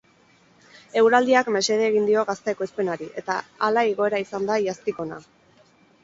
Eguraldiak mesede egin dio gazta ekoizpenari eta hala igoera izan da iaztik hona.